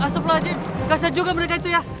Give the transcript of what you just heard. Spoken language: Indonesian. asap wajib berkasan juga mereka itu ya